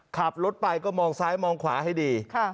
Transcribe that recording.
ขับรถไปก็มองซ้ายมองขวาให้ดี